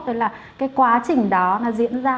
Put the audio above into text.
đó là cái quá trình đó nó diễn ra